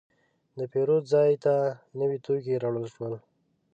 د پیرود ځای ته نوي توکي راوړل شول.